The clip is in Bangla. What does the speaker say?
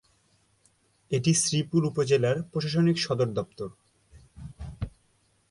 এটি শ্রীপুর উপজেলার প্রশাসনিক সদরদপ্তর।